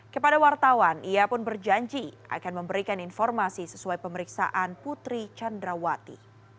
kepada wartawan ia pun berjanji akan memberikan informasi sesuai pemeriksaan putri candrawati